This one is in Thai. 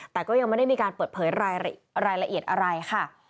แต่ก็ยังไม่ได้มีการเปิดเผยรายละเอียดอะไรค่ะ